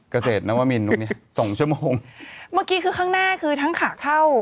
เกษตรนวมินตรงเนี้ยสองชั่วโมงเมื่อกี้คือข้างหน้าคือทั้งขาเข้า